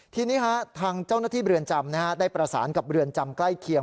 ทีนี้ทางเจ้าหน้าที่เรือนจำได้ประสานกับเรือนจำใกล้เคียง